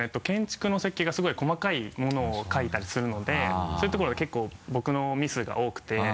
建築の設計がすごい細かいものを描いたりするのでそういうところが結構僕のミスが多くて。